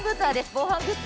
防犯グッズ